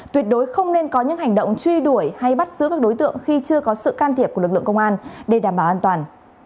tuyệt đối không nên có những hành động truy đuổi hay bắt giữ các đối tượng khi chưa có sự can thiệp của lực lượng công an để đảm bảo an toàn